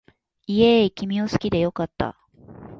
イェーイ君を好きで良かった